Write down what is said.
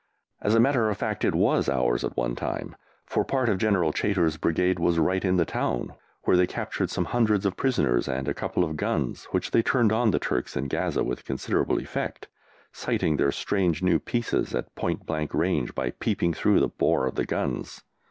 As a matter of fact it was ours at one time, for part of General Chaytor's brigade was right in the town, where they captured some hundreds of prisoners and a couple of guns which they turned on the Turks in Gaza with considerable effect, sighting their strange new pieces at point blank range by peeping through the bore of the guns.